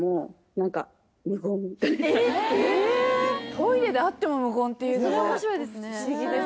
トイレで会っても無言っていうのがそれ面白いですね